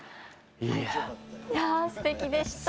いやすてきでした。